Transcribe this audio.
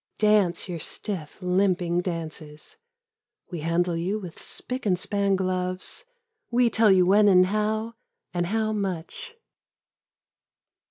Dance your stiff limping dances. We handle you with spic and span gloves. We tell you when and how And how much.